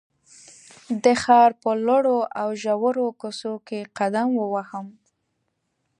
د ښار په لوړو او ژورو کوڅو کې قدم ووهم.